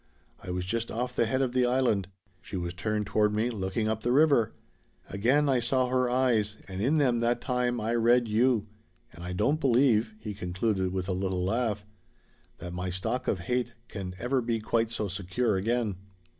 I was just off the head of the Island. She was turned toward me, looking up the river. Again I saw her eyes, and in them that time I read you. And I don't believe," he concluded with a little laugh, "that my stock of hate can ever be quite so secure again."